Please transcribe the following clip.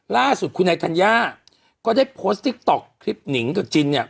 ล่าสุดคุณนายธัญญาก็ได้โพสต์ติ๊กต๊อกคลิปหนิงกับจินเนี่ย